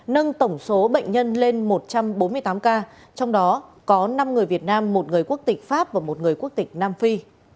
nâng tổng số bệnh nhân lên một trăm bốn mươi tám ca trong đó có năm người việt nam một người quốc tịch pháp và một người quốc tịch nam phi